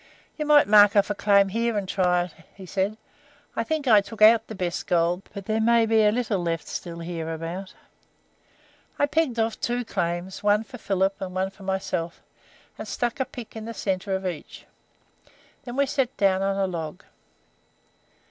"You might mark off a claim here and try it," he said. "I think I took out the best gold, but there may be a little left still hereabout." I pegged off two claims, one for Philip, and one for myself, and stuck a pick in the centre of each. Then we sat down on a log.